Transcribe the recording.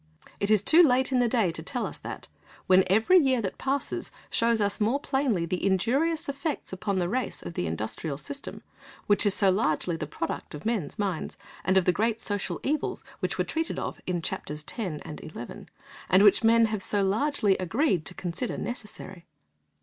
It is too late in the day to tell us that, when every year that passes shows us more plainly the injurious effects upon the race of the industrial system, which is so largely the product of men's minds, and of the great social evils which were treated of in Chapters X. and XI., and which men have so largely agreed to consider "necessary."